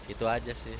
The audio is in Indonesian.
itu aja sih